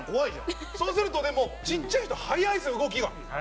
澤部：そうすると、でもちっちゃい人、速いんですよ動きが。